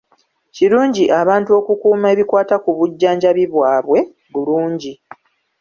Kirungi abantu okukuuma ebikwata ku bujjanjabi bwabwe bulungi.